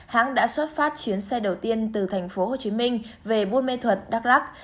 hãng đã xuất phát chuyến xe đầu tiên từ tp hcm về buôn mê thuật đắk lắk